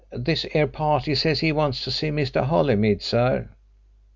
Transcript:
"This 'ere party says 'e wants to see Mr. Holymead, Sir."